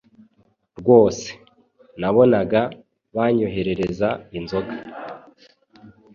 rwose nabonaga banyoherereza inzoga,